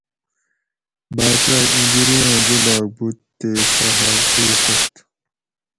باچاۤ اِیں بِریاں جولاگ بُوت تے سہ ہسوڛت